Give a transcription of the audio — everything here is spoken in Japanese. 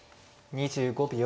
２５秒。